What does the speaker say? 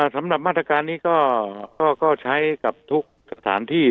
สำหรับมาตรการนี้ก็ใช้กับทุกสถานที่